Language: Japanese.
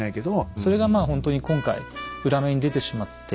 それがまあほんとに今回裏目に出てしまって。